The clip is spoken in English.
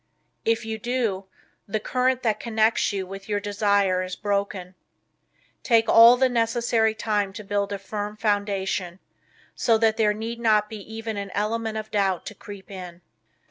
If you do the current that connects you with your desire is broken. Take all the necessary time to build a firm foundation, so that there need not be even an element of doubt to creep in.